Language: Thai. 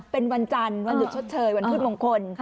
เป็นวันจันทร์วันหยุดชดเชยวันพืชมงคล